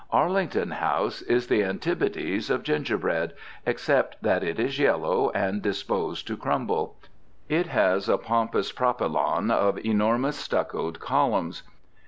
Arlington House is the antipodes of gingerbread, except that it is yellow, and disposed to crumble. It has a pompous propylon of enormous stuccoed columns.